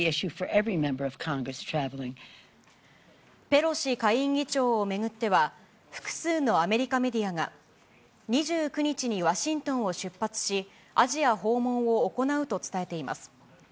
ペロシ下院議長を巡っては、複数のアメリカメディアが、２９日にワシントンを出発し、アジア訪問を行うと伝えています。